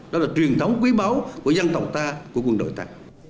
đó là truyền thống quý báu của dân tộc ta của quân đội ta